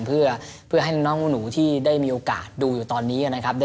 เพื่อให้น้องหนูที่ได้มีโอกาสดูอยู่ตอนนี้นะครับ